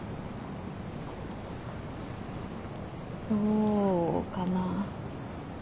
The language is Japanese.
どうかな？